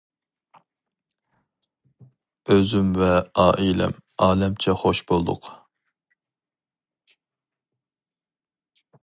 ئۆزۈم ۋە ئائىلەم ئالەمچە خوش بولدۇق.